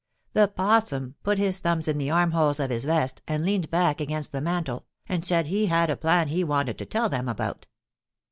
The 'Possum put his thumbs in the armholes of his vest and leaned back against the mantel, and said he had a plan he wanted to tell them about.